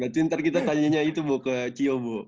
gantiin ntar kita tanyanya itu ke cio bu